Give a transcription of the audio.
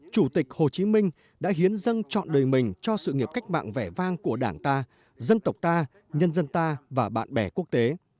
chủ tịch hồ chí minh đã hiến dân chọn đời mình cho sự nghiệp cách mạng vẻ vang của đảng ta dân tộc ta nhân dân ta và bạn bè quốc tế